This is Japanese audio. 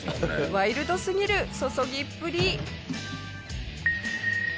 ワイルドすぎる注ぎっぷり。